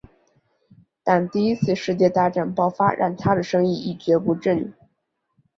但第一次世界大战爆发让他的生意一蹶不振。